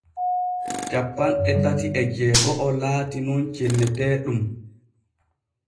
Cappanɗe tati e jeego’o laati nun cenneteeɗum.